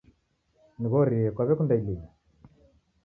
Nighorie kwawekunda ilinga?